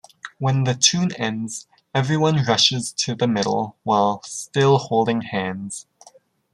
When the tune ends, everyone rushes to the middle, while still holding hands.